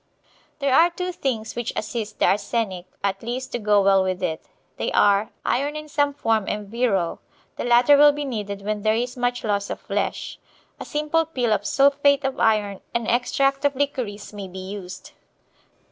There are two things which assist the arsenic, at least to go well with it; they are, iron in some form and Virol. The latter will be needed when there is much loss of flesh. A simple pill of sulphate of iron and extract of liquorice may be used.